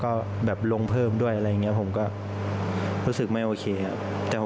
เข้าใจคุณครูไหมคะ